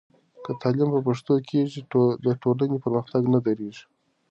که تعلیم په پښتو کېږي، د ټولنې پرمختګ نه درېږي.